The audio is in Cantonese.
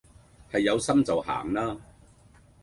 係有心就行啦